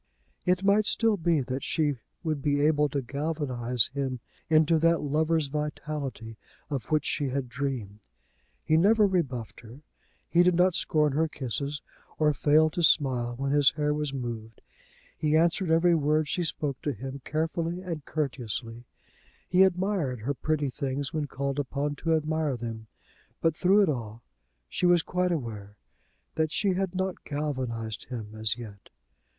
It might still be that she would be able to galvanise him into that lover's vitality, of which she had dreamed. He never rebuffed her; he did not scorn her kisses, or fail to smile when his hair was moved; he answered every word she spoke to him carefully and courteously; he admired her pretty things when called upon to admire them. But through it all, she was quite aware that she had not galvanised him as yet.